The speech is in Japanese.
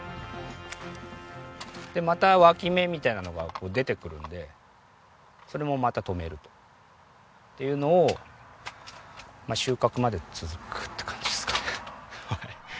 また脇芽みたいなのが出てくるんでそれもまた留めると。っていうのを収穫まで続くって感じですかね。